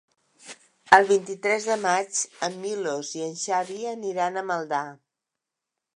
El vint-i-tres de maig en Milos i en Xavi aniran a Maldà.